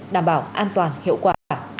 đảm bảo an toàn hiệu quả